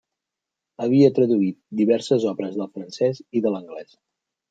Havia traduït diverses obres del francès i de l'anglès.